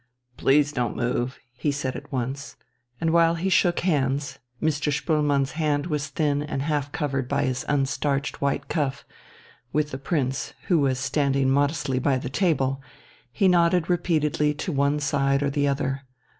"Please don't move!" he said at once. And while he shook hands (Mr. Spoelmann's hand was thin and half covered by his unstarched white cuff) with the Prince, who was standing modestly by the table, he nodded repeatedly to one side or the other.